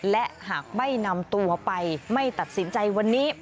และหากไม่นำตัวไปไม่ตัดสินใจวันนี้